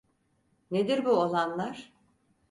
Nedir bu olanlar?